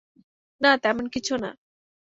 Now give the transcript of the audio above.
না, তেমন কিছু না।